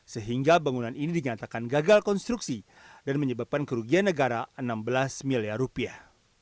sehingga bangunan ini dinyatakan gagal konstruksi dan menyebabkan kerugian negara enam belas miliar rupiah